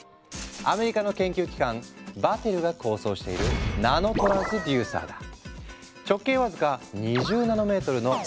アメリカの研究機関Ｂａｔｔｅｌｌｅが構想しているナノトランスデューサーだ。